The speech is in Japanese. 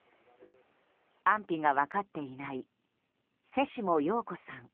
安否が分かっていない瀬下陽子さん